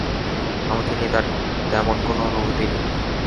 আমাকে নিয়ে তার তেমন কোনো অনুভূতি নেই।